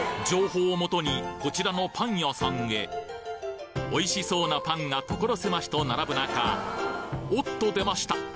情報をもとにこちらのパン屋さんへおいしそうなパンが所狭しと並ぶ中おっと出ました！